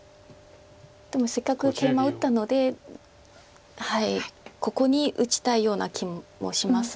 でもせっかくケイマ打ったのでここに打ちたいような気もします。